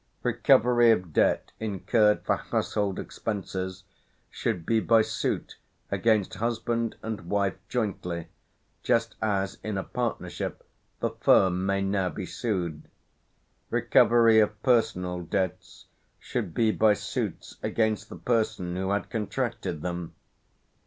Recovery of debts incurred for household expenses should be by suit against husband and wife jointly, just as in a partnership the firm may now be sued; recovery of personal debts should be by suits against the person who had contracted them.